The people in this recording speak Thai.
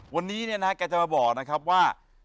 วันนี้เนี่ยนะแกจะมาบอกนะครับว่า